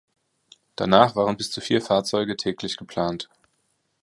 Danach waren bis zu vier Fahrzeuge täglich geplant.